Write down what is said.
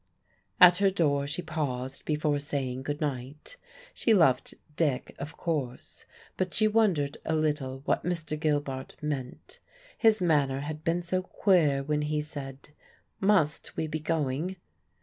At her door she paused before saying good night. She loved Dick, of course; but she wondered a little what Mr. Gilbart meant. His manner had been so queer when he said, "Must we be going?"